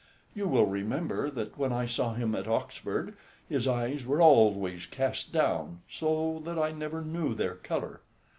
You will remember that when I saw him at Oxford his eyes were always cast down, so that I never knew their colour.